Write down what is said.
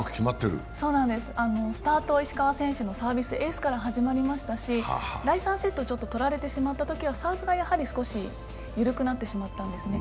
スタートは石川選手のサービスエースから始まりましたし、第３セット取られてしまったときはサーブが少し緩くなってしまったんですね。